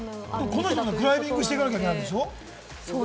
この人たちもクライミングして行かなきゃいけないでしょ？